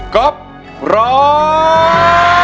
ก๊อฟร้อง